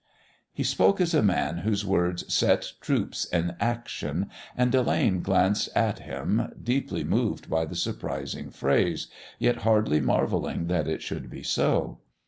He spoke as a man whose words set troops in action, and Delane glanced at him, deeply moved by the surprising phrase, yet hardly marvelling that it should be so.